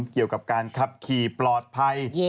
เกี่ยวกับการขับขี่ปลอดภัย